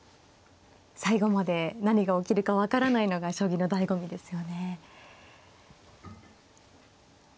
最後まで何が起きるか分からないのが将棋のだいご味ですよね。